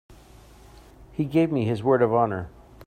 He gave me his word of honor.